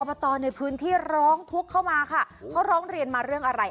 บตในพื้นที่ร้องทุกข์เข้ามาค่ะเขาร้องเรียนมาเรื่องอะไร